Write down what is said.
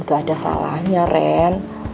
gak ada salahnya ren